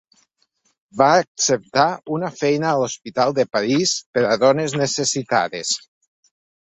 Va acceptar una feina a l'hospital de París per a dones necessitades.